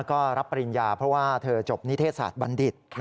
ก็รับปริญญาเพราะว่าเธอจบนิเทศศาสตร์บัณฑิต